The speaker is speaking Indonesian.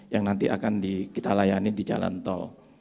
yang nanti akan kita layani di jalan tol